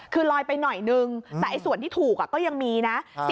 คือลอยไปหน่อยนึงแต่ส่วนที่ถูกก็ยังมีนะ